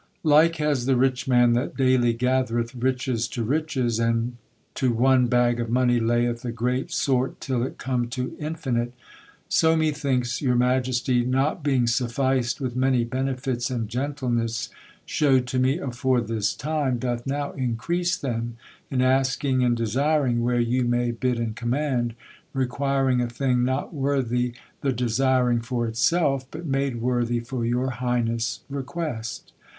"Like as the riche man that dayly gathereth riches to riches, and to one bag of money layeth a greate sort til it come to infinit, so me thinkes, your Majestie not beinge suffised with many benefits and gentilnes shewed to me afore this time, dothe now increase them in askinge and desiring wher you may bid and comaunde, requiring a thinge not worthy the desiringe for it selfe, but made worthy for your highness request.